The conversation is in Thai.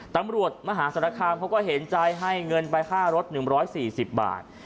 ตำรวจมหาสารคามเขาก็เหนศาใจให้เงินไปฆ่ารถ๑๔๐บาท